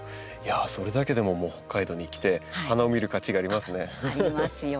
それだけでももう北海道に来て花を見る価値がありますね。ありますよ。